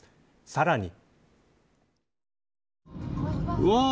さらに。